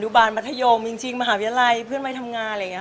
บาลมัธยมจริงมหาวิทยาลัยเพื่อนวัยทำงานอะไรอย่างนี้ค่ะ